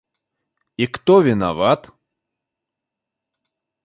И кто виноват?